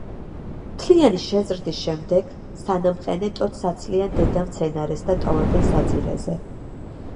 მთლიანი შეზრდის შემდეგ სანამყენე ტოტს აცლიან დედა მცენარეს და ტოვებენ საძირეზე.